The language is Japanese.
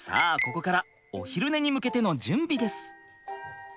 ここからお昼寝に向けての準備です。